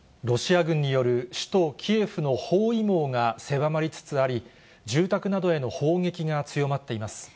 ロシア軍による首都キエフの包囲網が狭まりつつあり、住宅などへの砲撃が強まっています。